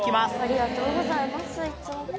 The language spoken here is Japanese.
ありがとうございますいつも。